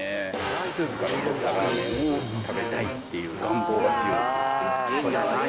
スープからとったラーメンを食べたいっていう願望が強い。